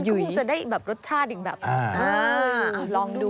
มันก็คงจะได้แบบรสชาติอีกแบบ